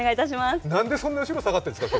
なんで、そんな後ろに下がってるんですか？